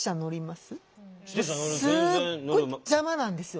すっごい邪魔なんですよ